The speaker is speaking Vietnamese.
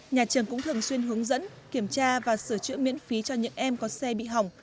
nhà trường cũng thường xuyên hướng dẫn kiểm tra và sửa chữa miễn phí cho những em có xe bị hỏng